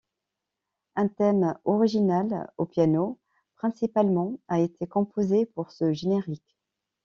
Un thème original, au piano principalement, a été composé pour ce générique.